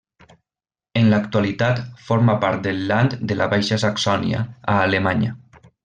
En l'actualitat forma part del Land de la Baixa Saxònia a Alemanya.